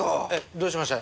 どうしました？